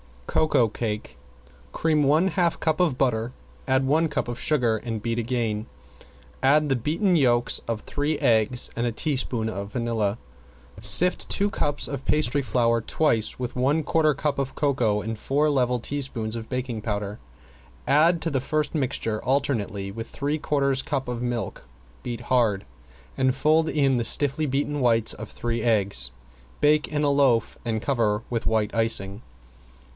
~COCOA CAKE~ Cream one half cup of butter, add one cup of sugar, and beat again. Add the beaten yolks of three eggs and a teaspoon of vanilla. Sift two cups of pastry flour twice with one quarter cup of cocoa and four level teaspoons of baking powder. Add to the first mixture alternately with three quarters cup of milk, beat hard, and fold in the stiffly beaten whites of three eggs. Bake in a loaf and cover with white icing.